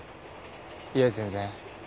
いえ全然。